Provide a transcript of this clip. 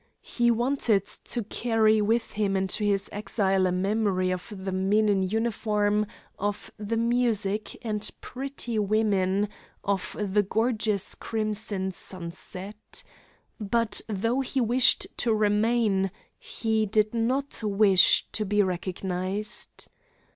He wanted to carry with him into his exile a memory of the men in uniform, of the music, and pretty women, of the gorgeous crimson sunset. But, though he wished to remain, he did not wish to be recognized.